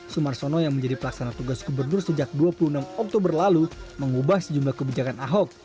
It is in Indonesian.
sumarsono yang menjadi pelaksana tugas gubernur sejak dua puluh enam oktober lalu mengubah sejumlah kebijakan ahok